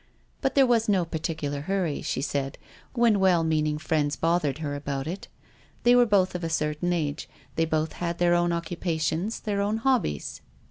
But there was no particular hurry, she said, when well meaning friends bothered her about it. They were both of a certain age. They both had their own occupations, their own hobbies.